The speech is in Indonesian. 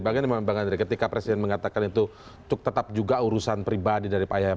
bagaimana bang andre ketika presiden mengatakan itu tetap juga urusan pribadi dari pak yahya